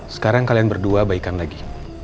sekarang kalian berdua baikan lagi